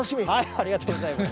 ありがとうございます。